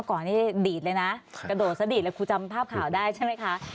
ก็จะสังคมการได้ใช่ไหมคะ